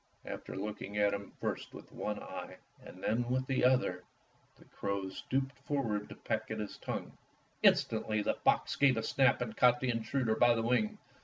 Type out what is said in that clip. After looking at him first with one eye and then with the other, the crow stooped forward to peck at his tongue. Instantly the fox gave a snap and caught the intruder by the wing.